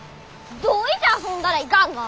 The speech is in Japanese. どういて遊んだらいかんが？